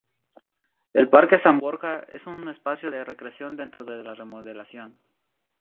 El parque San Borja es un espacio de recreación dentro de la Remodelación.